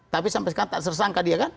tapi sampai sekarang tak tersangka dia kan